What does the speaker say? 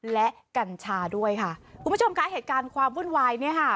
และกัญชาด้วยค่ะคุณผู้ชมคะเหตุการณ์ความวุ่นวายเนี่ยค่ะ